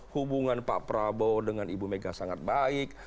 hubungan pak prabowo dengan ibu mega sangat baik